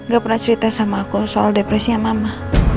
gak pernah cerita sama aku soal depresi yang mama